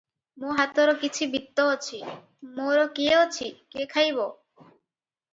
ମୋ ହାତର କିଛି ବିତ୍ତ ଅଛି- ମୋର କିଏ ଅଛି, କିଏ ଖାଇବ?